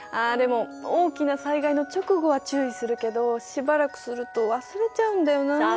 あでも大きな災害の直後は注意するけどしばらくすると忘れちゃうんだよな。